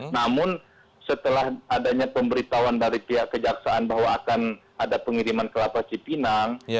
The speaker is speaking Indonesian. namun setelah adanya pemberitahuan dari pihak kejaksaan bahwa akan ada pengiriman kelapa cipinang